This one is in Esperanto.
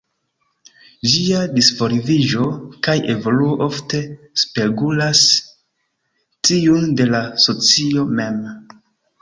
Ĝia disvolviĝo kaj evoluo ofte spegulas tiun de la socio mem.